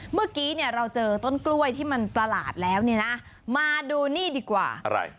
เมื่อกี้เนี่ยเราเจอต้นกล้วยที่มันประหลาดแล้วเนี่ยนะมาดูนี่ดีกว่าอะไร